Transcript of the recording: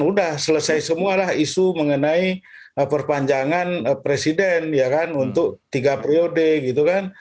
udah selesai semualah isu mengenai perpanjangan presiden ya kan untuk tiga periode gitu kan